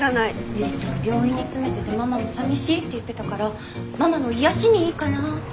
ゆりちゃん病院に詰めててママも寂しいって言ってたからママの癒やしにいいかなって。